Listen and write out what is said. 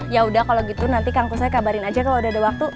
ya udah kalau gitu nanti kang kusoy kabarin aja kalau sudah ada waktu